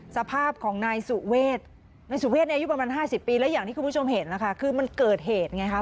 สภาพของนายสุเวทนายสุเวทอายุประมาณ๕๐ปีแล้วอย่างที่คุณผู้ชมเห็นนะคะคือมันเกิดเหตุไงคะ